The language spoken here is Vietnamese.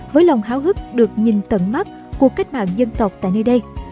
với lòng háo hức được nhìn tận mắt của cách mạng dân tộc tại nơi đây